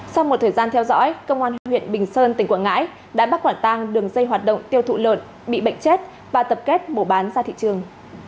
sau một thời gian theo dõi công an huyện bình sơn tỉnh quảng ngãi đã bắt quả tang đường dây hoạt động tiêu thụ lợn bị bệnh chết và tập kết mổ bán ra thị trường